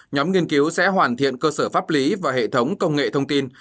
nhóm nghiên cứu sẽ hoàn thiện cơ sở pháp lý và hệ thống công nghệ thông tin